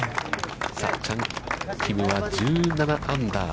さあ、チャン・キムは１７アンダー。